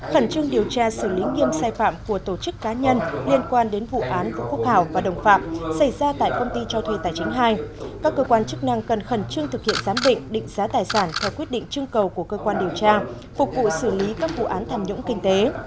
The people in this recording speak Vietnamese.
khẩn trương điều tra xử lý nghiêm sai phạm của tổ chức cá nhân liên quan đến vụ án vũ phúc hảo và đồng phạm xảy ra tại công ty cho thuê tài chính hai các cơ quan chức năng cần khẩn trương thực hiện giám định định giá tài sản theo quyết định trưng cầu của cơ quan điều tra phục vụ xử lý các vụ án tham nhũng kinh tế